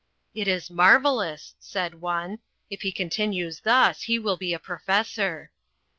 "It is marvellous," said one. "If he continues thus, he will be a professor."